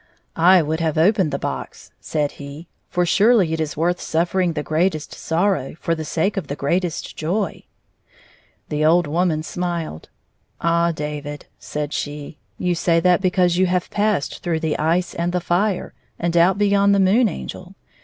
" I would have opened the box," said he, "for surely it is worth suffering the greatest sorrow for the sake of the greatest joy." The old woman smiled. " Ah, David," said she, "you say that because you have passed through the ice and the fire, and out beyond the Moon Angel.